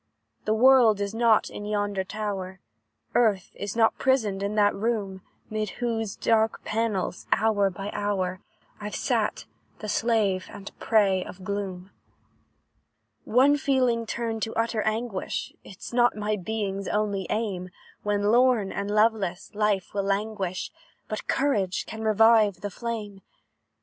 "The world is not in yonder tower, Earth is not prisoned in that room, 'Mid whose dark panels, hour by hour, I've sat, the slave and prey of gloom. "One feeling turned to utter anguish, Is not my being's only aim; When, lorn and loveless, life will languish, But courage can revive the flame.